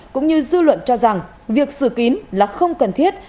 cũng như dư luận cho rằng việc sửa kín là không cần thiết